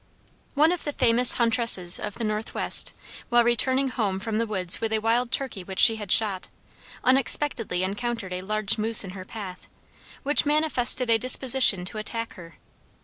One of the famous huntresses of the northwest, while returning home from the woods with a wild turkey which she had shot, unexpectedly encountered a large moose in her path, which manifested a disposition to attack her.